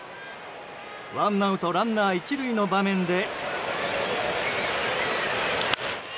ワンアウトランナー１塁の場面で。